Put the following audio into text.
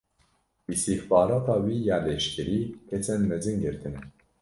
Îstîxbarata wî ya leşkerî kesên mezin girtine.